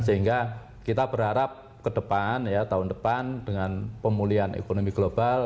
sehingga kita berharap ke depan tahun depan dengan pemulihan ekonomi global